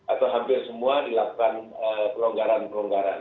atau hampir semua dilakukan perlonggaran perlonggaran